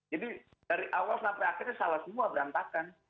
jadi dari awal sampai akhirnya salah semua berantakan